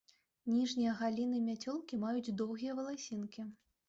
Ніжнія галіны мяцёлкі маюць доўгія валасінкі.